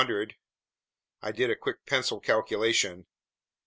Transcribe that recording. I did a quick pencil calculation.